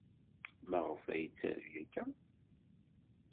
Maɣef ay yettaru akka?